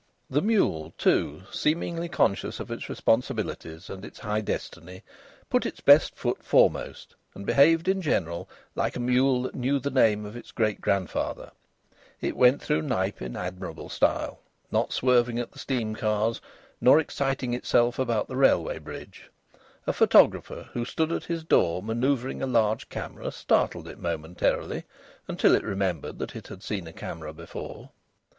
The mule, too, seemingly conscious of its responsibilities and its high destiny, put its best foot foremost and behaved in general like a mule that knew the name of its great grandfather. It went through Knype in admirable style, not swerving at the steam cars nor exciting itself about the railway bridge. A photographer who stood at his door manoeuvring a large camera startled it momentarily, until it remembered that it had seen a camera before.